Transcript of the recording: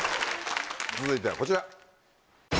続いてはこちら。